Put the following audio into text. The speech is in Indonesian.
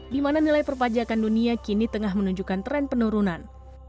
di mana nilai perpajakan dunia kini tengah menunjukkan tren penurunan